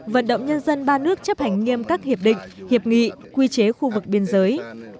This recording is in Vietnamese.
vận động nhân dân ba nước chấp hành nghiêm các hiệp định hiệp nghị quy chế khu vực biên giới